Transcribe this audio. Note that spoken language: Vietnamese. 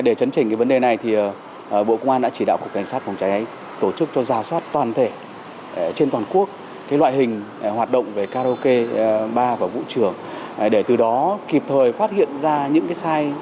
để chấn trình cái vấn đề này thì bộ công an đã chỉ đạo cục cảnh sát phòng cháy ấy tổ chức cho gia soát toàn thể trên toàn quốc cái loại hình hoạt động về karaoke bar và vũ trường để từ đó kịp thời phát hiện ra những cái sai